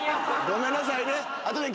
ごめんなさいね